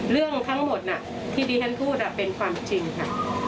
เรื่องทั้งหมดที่ดิฉันพูดเป็นความจริงค่ะ